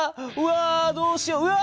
うわどうしよう！